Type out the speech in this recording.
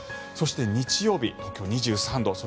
そして、日曜日東京、２３度。